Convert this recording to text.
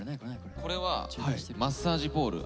これはマッサージボール。